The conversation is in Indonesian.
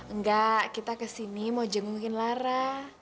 enggak kita kesini mau jenguin lara